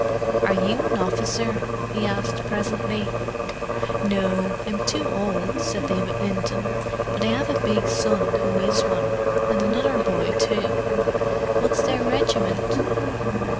"Are you an officer?" he asked presently. "No, I'm too old," said David Linton. "But I have a big son who is one—and another boy too." "What's their regiment?"